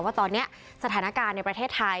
ว่าตอนนี้สถานการณ์ในประเทศไทย